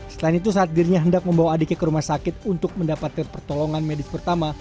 selain itu saat dirinya hendak membawa adiknya ke rumah sakit untuk mendapatkan pertolongan medis pertama